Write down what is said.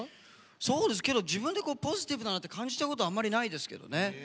そうですけど、自分でポジティブだなって感じたことあまりないですけどね。